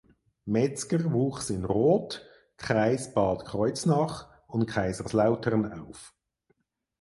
Metzger wuchs in Roth (Kreis Bad Kreuznach) und Kaiserslautern auf.